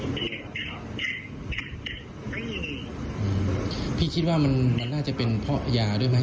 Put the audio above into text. พี่คิดว่ามันมันน่าจะเป็นเพราะยาด้วยไหม